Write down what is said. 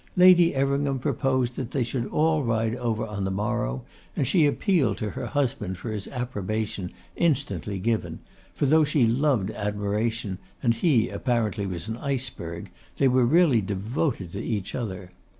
Lady Everingham proposed that they should all ride over on the morrow, and she appealed to her husband for his approbation, instantly given, for though she loved admiration, and he apparently was an iceberg, they were really devoted to each other.